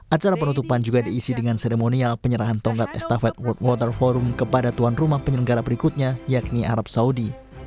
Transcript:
acara penutupan juga diisi dengan seremonial penyerahan tongkat estafet world water forum kepada tuan rumah penyelenggara berikutnya yakni arab saudi